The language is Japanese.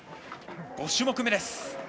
５種目めです。